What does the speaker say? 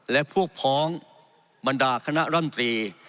และพวกพ้องบรรดาคณะร่ำตรี